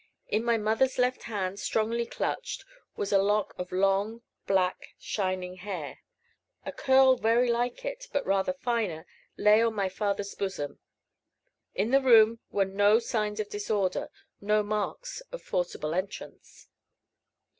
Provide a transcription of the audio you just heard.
In my mother's left hand strongly clutched was a lock of long, black, shining hair. A curl very like it, but rather finer, lay on my father's bosom. In the room were no signs of disorder, no marks of forcible entrance.